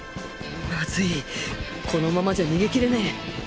まずいこのままじゃ逃げ切れねえ